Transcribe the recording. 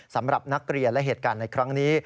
สำหรับนักเรียนและเหตุการณ์ในครั้งนี้